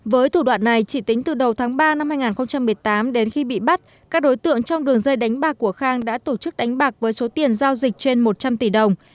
với thủ đoạn này chỉ tính từ đầu tháng ba năm hai nghìn một mươi tám đến khi bị bắt các đối tượng trong đường dây đánh bạc của khang đã tổ chức đánh bạc với số tiền giao dịch trên một trăm linh tỷ đồng